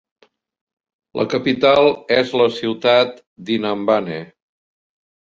La capital és la ciutat d'Inhambane.